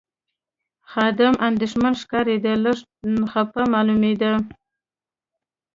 خادم اندېښمن ښکارېد، لږ خپه معلومېده.